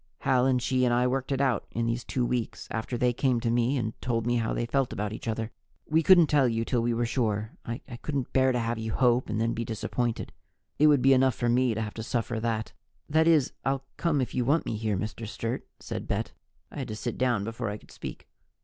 "Hal and she and I worked it out in these two weeks, after they came to me and told me how they felt about each other. We couldn't tell you till we were sure; I couldn't bear to have you hope and then be disappointed it would be enough for me to have to suffer that." "That is, I'll come if you want me here, Mr. Sturt," said Bet. I had to sit down before I could speak.